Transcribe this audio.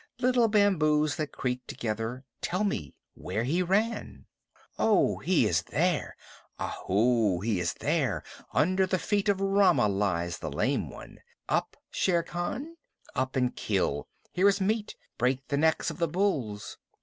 Little bamboos that creak together, tell me where he ran? Ow! He is there. Ahoo! He is there. Under the feet of Rama lies the Lame One! Up, Shere Khan! Up and kill! Here is meat; break the necks of the bulls!